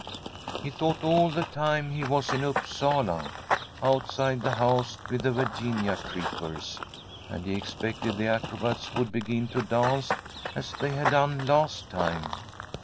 He thought all the time he was in Upsala, out side the house with the Virginia creepers, and he expected the acrobats would begin to dance as they had done last time.